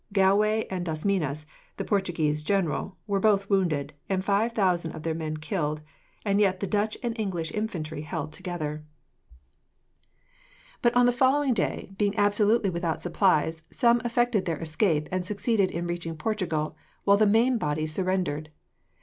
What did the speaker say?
Galway and Das Minas, the Portuguese general, were both wounded, and five thousand of their men killed, and yet the Dutch and English infantry held together. "But on the following day, being absolutely without supplies, some effected their escape and succeeded in reaching Portugal, while the main body surrendered.